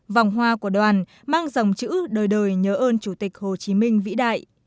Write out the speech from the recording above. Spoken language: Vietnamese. vòng hoa của đoàn mang dòng chữ đời đời nhớ ơn chủ tịch hồ chí minh vĩ đại